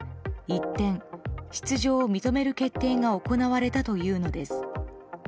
一転、出場を認める決定が行われたというのです。